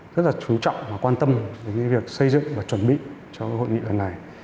rất là chú trọng và quan tâm đến việc xây dựng và chuẩn bị cho hội nghị lần này